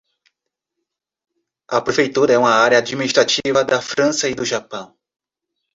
A prefeitura é uma área administrativa da França e do Japão.